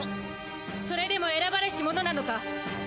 それでも選ばれし者なのか。